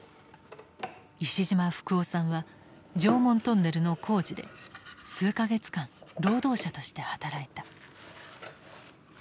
石島福男さんは常紋トンネルの工事で数か月間労働者として働いた。